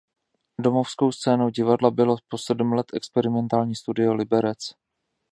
Domovskou scénou divadla bylo po sedm let Experimentální studio Liberec.